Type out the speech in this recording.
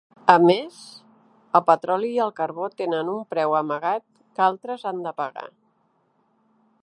A més, el petroli i el carbó tenen un preu amagat que altres han de pagar.